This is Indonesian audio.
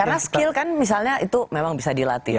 karena skill kan misalnya itu memang bisa dilatih